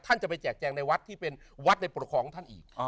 ท่านจะไปแจกแจงในวัดที่เป็นวัดในปกครองท่านอีก